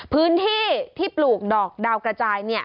พื้นที่ที่ปลูกดอกดาวกระจาย